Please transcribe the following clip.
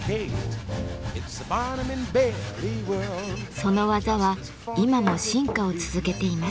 その技は今も進化を続けています。